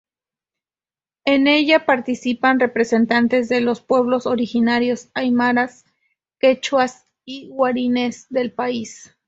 En ella participan representantes de los pueblos originarios aymaras, quechuas y guaraníes del país.